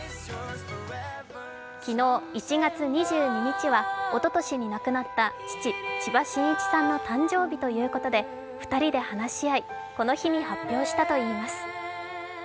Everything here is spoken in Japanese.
昨日、１月２２日はおととしに亡くなった父・千葉真一さんの誕生日ということで２人で話し合いこの日に発表したといいます。